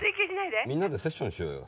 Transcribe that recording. みんなでセッションしようよ。